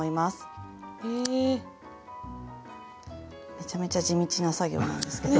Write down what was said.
めちゃめちゃ地道な作業なんですけど。